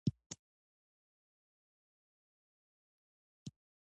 د کورنۍ لپاره مینه اړین ده